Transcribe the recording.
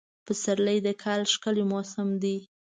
پسرلی د کال ښکلی موسم دی.